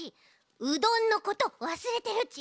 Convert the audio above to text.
うどんのことわすれてるち！